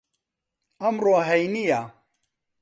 ئەمڕۆ هەینییە.